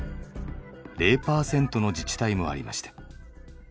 ０パーセントの自治体もありました。